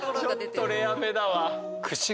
ちょっとレアめだわ。